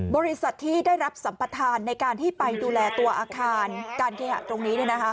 บริษัทที่ได้รับสัมปทานในการที่ไปดูแลตัวอาคารการเคหะตรงนี้